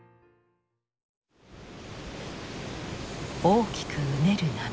大きくうねる波。